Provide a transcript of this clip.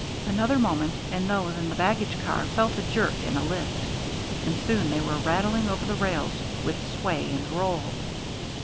Another moment and those in the baggage car felt a jerk and a lift, and soon they were rattling over the rails with sway and roll.